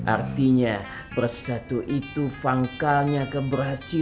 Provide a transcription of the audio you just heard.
artinya bersatu itu fangkalnya keberhasilan